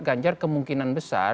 ganjar kemungkinan besar